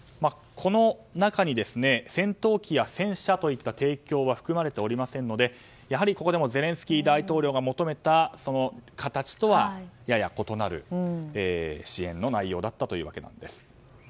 この中に、戦闘機や戦車といった提供は含まれていませんのでやはり、ここでもゼレンスキー大統領が求めた形とはやや異なる支援の内容だったわけです。